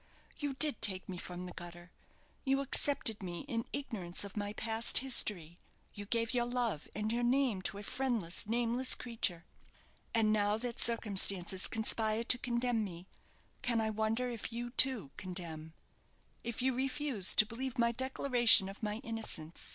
You did take me from the gutter; you accepted me in ignorance of my past history; you gave your love and your name to a friendless, nameless creature; and now that circumstances conspire to condemn me, can I wonder if you, too, condemn if you refuse to believe my declaration of my innocence?